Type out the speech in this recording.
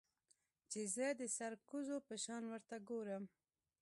چې زه د سرکوزو په شان ورته گورم.